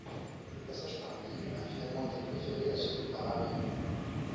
Le passage par Lille a finalement été préféré à celui par Amiens.